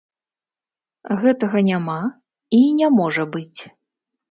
Гэтага няма і не можа быць.